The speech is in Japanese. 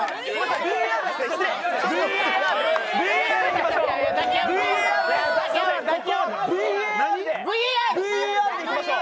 ＶＡＲいきましょう。